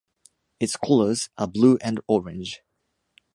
Its colors are blue and orange.